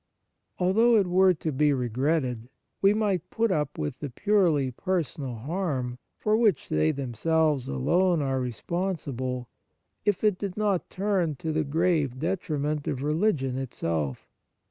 Although it were to be regretted, we might put up with the purely personal harm, for which they themselves alone are responsible, if it did not turn to the grave detriment of religion itself.